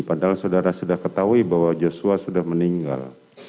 padahal saudara sudah ketahui bahwa joshua sudah meninggal